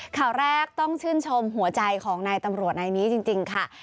ข่าวแรกต้องชื่นชมหัวใจของนายตำรวจนายนี้จริงค่ะ